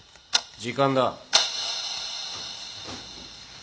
時間だ。